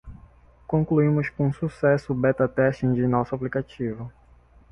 Concluímos com sucesso o beta testing de nosso aplicativo.